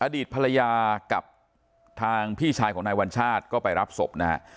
อดีตภรรยากับทางพี่ชายของนายวัญชาติก็ไปรับศพนะฮะ